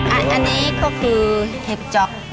อันนี้ก็คือเห็บจ๊อก